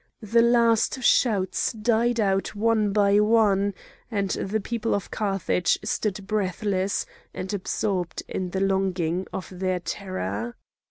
The last shouts died out one by one,—and the people of Carthage stood breathless, and absorbed in the longing of their terror.